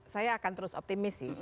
saya akan terus optimis sih